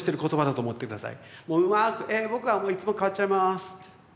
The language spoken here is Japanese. もううまく「僕はもういつも変わっちゃいます」って。